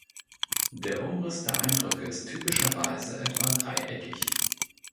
Der Umriss der Eindrücke ist typischerweise etwa dreieckig.